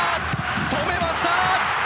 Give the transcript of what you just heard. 止めました！